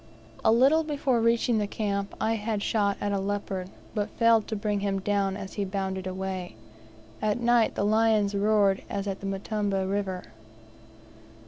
A little before reaching the camp I had a shot at a leopard, but failed to bring him down as he bounded away. At night the lions roared as at the Mtambu River.